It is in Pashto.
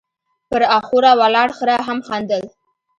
، پر اخوره ولاړ خره هم خندل،